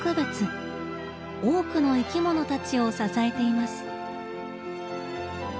多くの生きものたちを支えています。